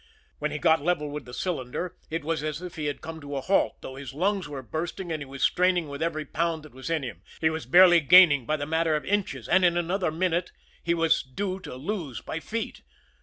When he got level with the cylinder, it was as if he had come to a halt, though his lungs were bursting, and he was straining with every pound that was in him. He was barely gaining by the matter of inches, and in about another minute he was due to lose by feet.